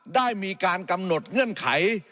ได้มีการกำหนดเงื่อนไข